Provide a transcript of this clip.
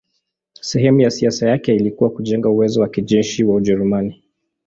Sehemu ya siasa yake ilikuwa kujenga uwezo wa kijeshi wa Ujerumani.